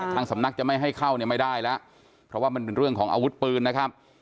ทางสำนักจะไม่ให้เข้าเนี่ยไม่ได้แล้วเพราะว่ามันเป็นเรื่องของอาวุธปืนนะครับ